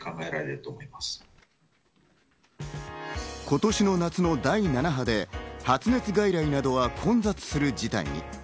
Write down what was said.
今年の夏の第７波で、発熱外来などは混雑する事態に。